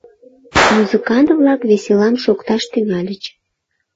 Музыкант-влак веселам шокташ тӱҥальыч.